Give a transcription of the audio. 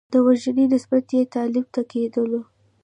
د وژنې نسبیت یې طالب ته کېدلو.